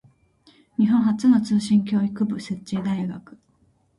日本初の通信教育部設置大学